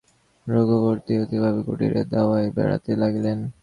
রঘুপতি অস্থিরভাবে কুটিরের দাওয়ায় বেড়াইতে লাগিলেন।